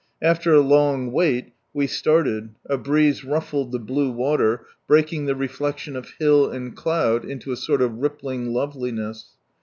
After a long wait, we started, a breeze ruffled the blue water, breaking the reflection of hill and cloud into a sort of rippHng loveliness.